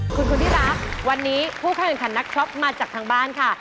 คุณคนที่รักวันนี้ผู้เข้าแข่งขันนักช็อปมาจากทางบ้านค่ะ